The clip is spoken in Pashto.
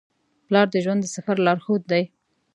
پلار د ژوند د سفر لارښود دی.